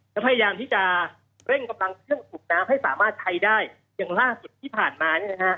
และพยายามที่จะเร่งกำลังเครื่องสูบน้ำให้สามารถใช้ได้อย่างล่าสุดที่ผ่านมาเนี่ยนะฮะ